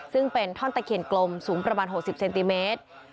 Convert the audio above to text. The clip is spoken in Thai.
ซึ่งเป็นท่อนตะเคียนกลมสูงประมาณ๖๐เซนติเมตร